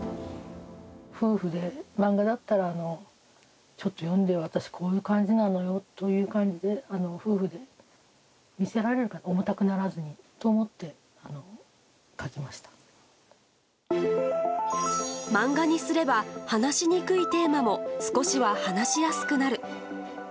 夫婦で漫画だったらちょっと読んで、私、こういう感じなのよという感じで、夫婦で見せられるかなと、重たくならずにと思って、漫画にすれば、話しにくいテーマも、少しは話しやすくなる。